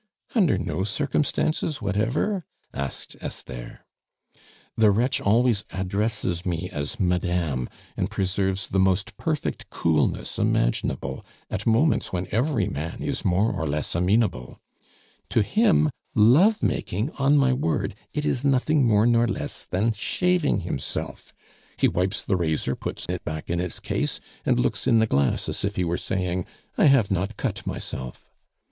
"Under no circumstances whatever?" asked Esther. "The wretch always addresses me as Madame, and preserves the most perfect coolness imaginable at moments when every man is more or less amenable. To him love making! on my word, it is nothing more nor less than shaving himself. He wipes the razor, puts it back in its case, and looks in the glass as if he were saying, 'I have not cut myself!